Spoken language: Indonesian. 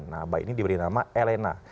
nah bayi ini diberi nama elena